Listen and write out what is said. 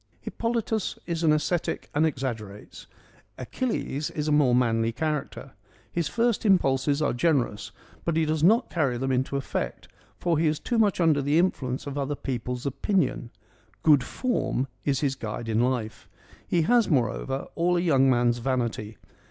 Hippolytus is an ascetic and exaggerates : Achilles is a more manly character. His first impulses are generous, but he does not carry them into effect, for he is too much under the influence of other people's opinion :' good form ' is his guide in life. He has moreover, all a young man's vanity.